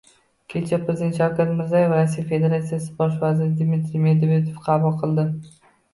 Kecha Prezident Shavkat Mirziyoyev Rossiya Federatsiyasi Bosh vaziri Dmitriy Medvedevni qabul qildi